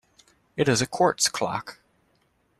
It is a quartz clock.